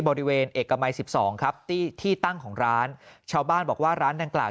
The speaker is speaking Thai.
บริเวณเอกมัย๑๒ครับที่ตั้งของร้านเช้าบ้านบอกว่าร้านดังกล่าว